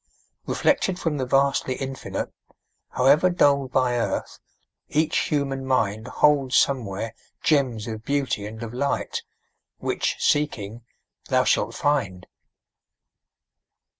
Reflected from the vastly Infinite, However dulled by earth, each human mind Holds somewhere gems of beauty and of light Which, seeking, thou shalt find.